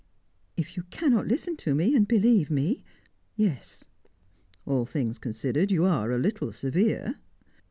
"If you cannot listen to me, and believe me yes." "All things considered, you are a little severe."